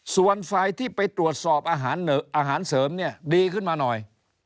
ส่วนฝ่ายที่ไปตรวจสอบอาหารเสริมเนี่ยดีขึ้นมาหน่อย